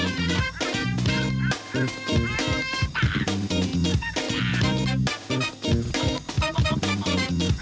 สุดท้าย